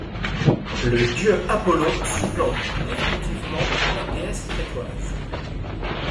Le dieu Apollon supplante définitivement la déesse crétoise.